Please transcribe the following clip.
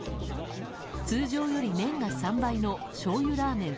通常より麺が３倍のしょうゆラーメン